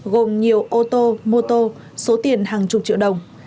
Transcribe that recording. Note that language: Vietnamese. gồm nhiều ô tô mô tô số tiền hàng chục triệu đồng